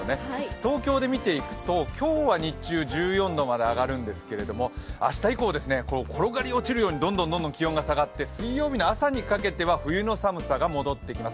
東京で見ていくと今日は日中１４度まで上がるんですけれども明日以降、転がり落ちるようにどんどん気温が下がって水曜日の朝にかけては冬の寒さが戻ってきます。